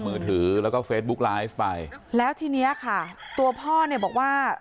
มือถือแล้วก็เฟซบุ๊กไลฟ์ไปแล้วทีเนี้ยค่ะตัวพ่อเนี่ยบอกว่า